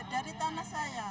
dari tanah saya